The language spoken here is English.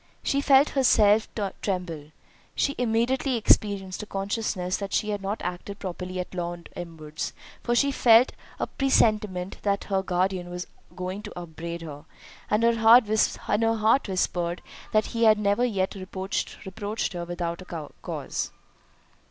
She felt herself tremble—she immediately experienced a consciousness that she had not acted properly at Lord Elmwood's; for she felt a presentiment that her guardian was going to upbraid her, and her heart whispered that he had never yet reproached her without a cause.